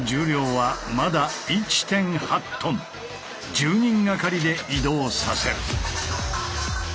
１０人がかりで移動させる。